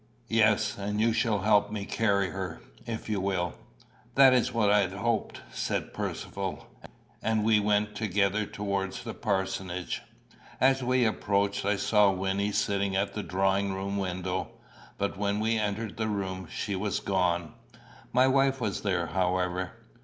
"Yes; and you shall help me to carry her, if you will." "That is what I hoped," said Percivale; and we went together towards the parsonage. As we approached, I saw Wynnie sitting at the drawing room window; but when we entered the room, she was gone. My wife was there, however.